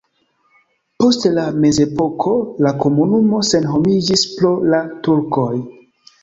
Post la mezepoko la komunumo senhomiĝis pro la turkoj.